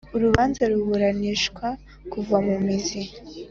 Urubanza ruburanishwa kuva mu mizi